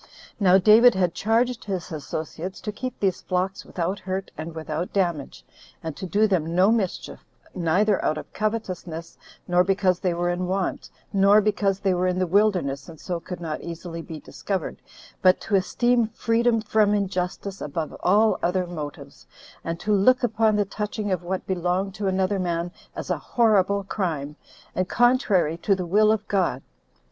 Now David had charged his associates to keep these flocks without hurt and without damage, and to do them no mischief, neither out of covetousness, nor because they were in want, nor because they were in the wilderness, and so could not easily be discovered, but to esteem freedom from injustice above all other motives, and to look upon the touching of what belonged to another man as a horrible crime, and contrary to the will of God.